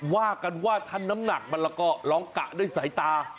ว่ากันว่าถ้าน้ำหนักมันแล้วก็ร้องกะด้วยสายตา